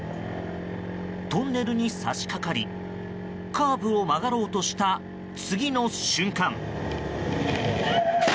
トンネルに差し掛かりカーブを曲がろうとした次の瞬間。